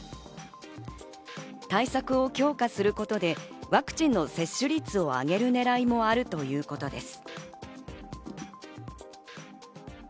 対策を強化することでワクチンの接種率を上げるねらいもあるということです。